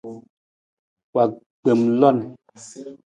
Wa gbem lon.